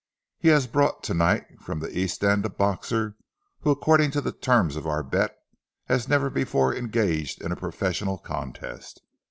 He has brought to night from the East End a boxer who, according to the terms of our bet, has never before engaged in a professional contest.